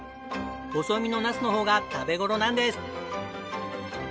細身のナスの方が食べ頃なんです。